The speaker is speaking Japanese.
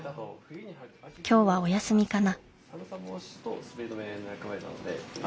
今日はお休みかな？